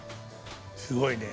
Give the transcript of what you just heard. すごいね。